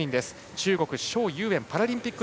中国、蒋裕燕パラリンピック